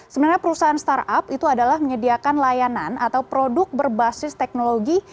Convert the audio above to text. sebenarnya perusahaan startup itu adalah menyediakan layanan atau produk berbasis teknologi